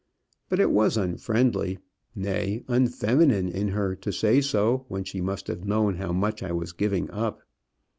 But it was unfriendly, nay unfeminine in her to say so when she must have known how much I was giving up."